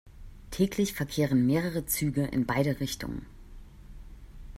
Täglich verkehren mehrere Züge in beide Richtungen.